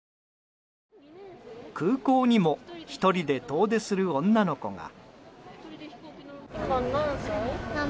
空港にも１人で遠出する女の子が。